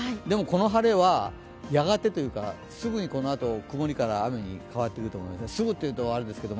でもこの晴れはやがてというかすぐにこのあと曇りから雨に変わっていきます。